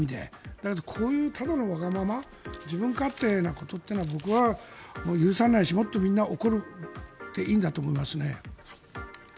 だけどこういう、ただのわがまま自分勝手なことというのは僕は許さないしもっとみんな怒っていいと思います。